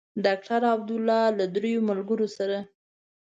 ډاکټر عبدالله له درې ملګرو سره.